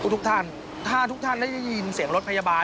ทุกท่านถ้าทุกท่านได้ยินเสียงรถพยาบาล